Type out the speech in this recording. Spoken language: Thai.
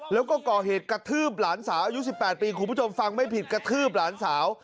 แล้วก็ก่อเหตุกระทืบหลานสาวอายุ๑๘ปีคุณผู้ชมฟังไม่ผิดกระทืบหลานสาว